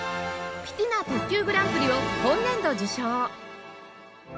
ピティナ「特級」グランプリを本年度受賞